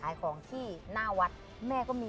เยอะมาก